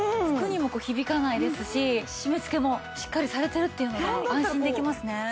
服にもこう響かないですし締め付けもしっかりされてるっていうのが安心できますね。